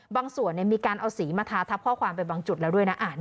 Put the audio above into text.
บางส่วนมีการเอาสีมาทาทับข้อความไปบางจุดแล้วด้วยนะ